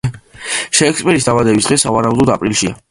შექსპირის დაბადების დღე სავარაუდოდ აპრილშია.